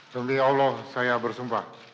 demi allah saya bersumpah